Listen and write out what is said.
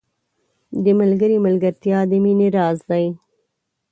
• د ملګري ملګرتیا د مینې راز دی.